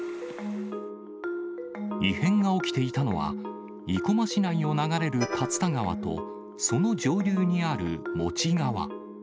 異変が起きていたのは、生駒市内を流れる竜田川とその上流にあるモチ川。